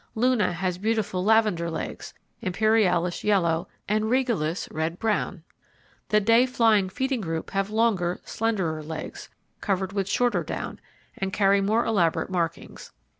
Luna has beautiful lavender legs, Imperialis yellow, and Regalis red brown. The day flying, feeding group have longer, slenderer legs, covered with shorter down, and carry more elaborate markings.